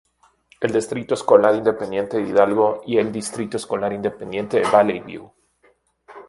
El Distrito Escolar Independiente de Hidalgo y el Distrito Escolar Independiente Valley View.